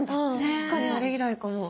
確かにあれ以来かも。